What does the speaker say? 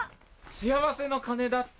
幸せの鐘だって。